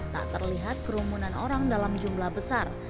tak terlihat kerumunan orang dalam jumlah besar